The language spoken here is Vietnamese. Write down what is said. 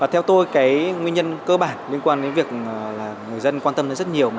theo tôi nguyên nhân cơ bản liên quan đến việc người dân quan tâm rất nhiều